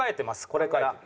これから。